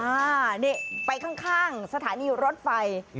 อ่านี่ไปข้างสถานีรถไฟ